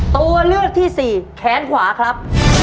ตัวเลือกที่สี่แขนขวาครับ